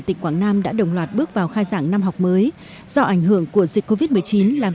tỉnh quảng nam đã đồng loạt bước vào khai giảng năm học mới do ảnh hưởng của dịch covid một mươi chín làm